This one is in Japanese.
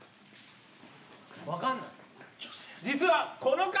分かんない？